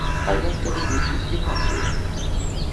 А як тады быць з гімназіямі?